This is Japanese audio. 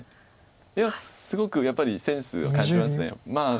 いやすごくやっぱりセンスを感じます。